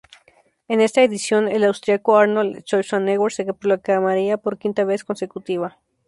En esta edición, el austriaco Arnold Schwarzenegger se proclamaría por quinta vez consecutiva.